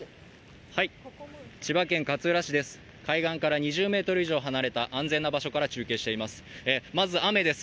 海岸から２０ｍ以上離れた安全な場所から中継しています。